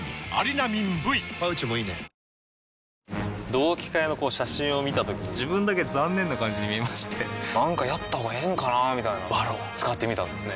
同期会の写真を見たときに自分だけ残念な感じに見えましてなんかやったほうがええんかなーみたいな「ＶＡＲＯＮ」使ってみたんですね